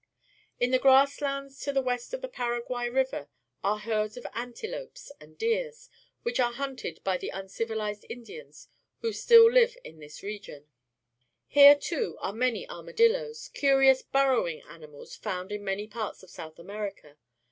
In the grass lands to the west of the Para guay River are herds of antelopes and deer^ which are hunted by the unci\'irized Indians who stiU Uve in this region. Here, too, are many armadillos, curious burrowing animals found m many parts of South America.